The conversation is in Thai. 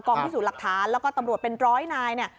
กองที่สู่หลักฐานและตำรวจเป็น๑๐๐นาย